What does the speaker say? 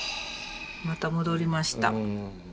また戻りました。